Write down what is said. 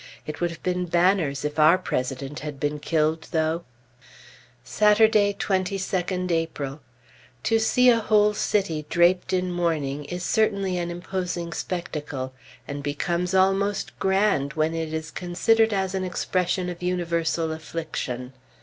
It would have been banners, if our President had been killed, though! Saturday, 22d April. To see a whole city draped in mourning is certainly an imposing spectacle, and becomes almost grand when it is considered as an expression of universal affliction.